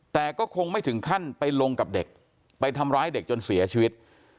แต่ก็คงไม่ถึงขั้นไปลงกับเด็กไปทำร้ายเด็กจนเสียชีวิต